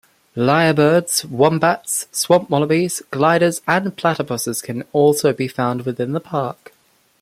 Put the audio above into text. Lyrebirds, wombats, swamp wallabies, gliders and platypuses can also be found within the park.